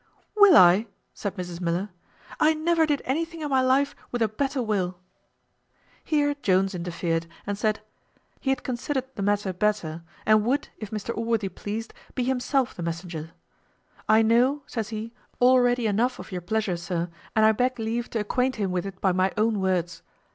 "Will I?" said Mrs Miller; "I never did anything in my life with a better will." Here Jones interfered, and said, "He had considered the matter better, and would, if Mr Allworthy pleased, be himself the messenger. I know," says he, "already enough of your pleasure, sir, and I beg leave to acquaint him with it by my own words.